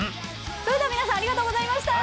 それでは皆さんありがとうございました！